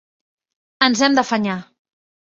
Ens hem d'afanyar.